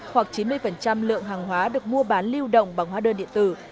hoặc chín mươi lượng hàng hóa được mua bán lưu động bằng hóa đơn điện tử